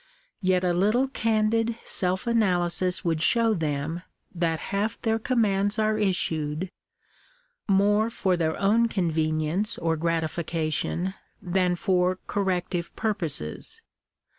Yet a little candid self analysis would show them that half their commands are issued more for their own convenience or grati fication than for corrective purposes.